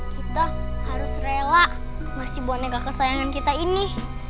kita harus rela masih boneka kesayangan kita ini